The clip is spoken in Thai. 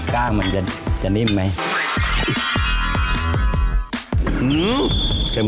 กล้างมันจะนิ่มไหม